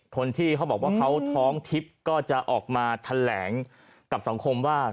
คนที่เขาบอกว่าเขาท้องทิพย์ก็จะออกมาแถลงกับสังคมว่า